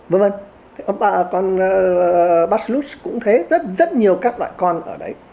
vâng vâng con bacillus cũng thế rất rất nhiều các loại con ở đấy